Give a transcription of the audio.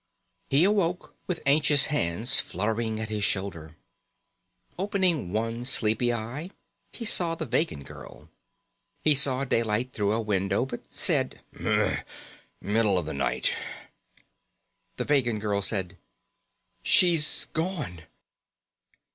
He awoke with anxious hands fluttering at his shoulder. Opening one sleepy eye, he saw the Vegan girl. He saw daylight through a window but said, "Gmph! Middle of the night." The Vegan girl said: "She's gone."